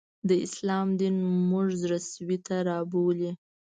د اسلام دین موږ زړه سوي ته رابولي